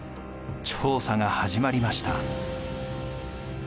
調査が始まりました。